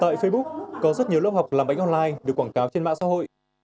tại facebook có rất nhiều lớp học làm bánh online được quảng cáo trên mạng xã hội